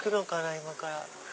今から。